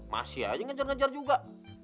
masih aja ngejar ngejar juga